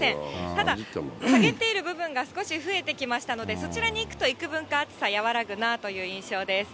ただ陰っている部分が少し増えてきましたので、そちらに行くといくぶんか暑さ和らぐなという印象です。